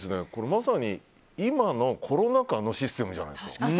まさに今のコロナ禍のシステムじゃないですか。